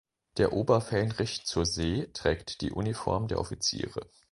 Der Oberfähnrich zur See trägt die Uniform der Offiziere.